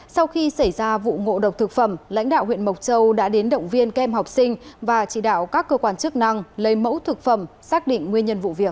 sau khi xảy ra vụ ngộ độc thực phẩm lãnh đạo huyện mộc châu đã đến động viên kem học sinh và chỉ đạo các cơ quan chức năng lấy mẫu thực phẩm xác định nguyên nhân vụ việc